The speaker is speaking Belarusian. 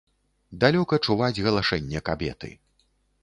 Далёка чуваць галашэнне кабеты.